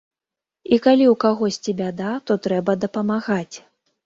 І калі ў кагосьці бяда, то трэба дапамагаць.